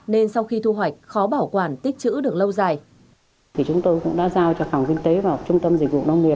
nên sau khi thu hoạch khó bảo quản tích chữ được lâu dài